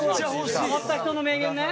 止まった人の名言ね。